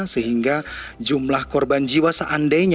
sehingga jumlah korban jiwa seandainya